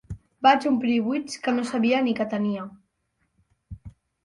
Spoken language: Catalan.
Vaig omplir buits que no sabia ni que tenia.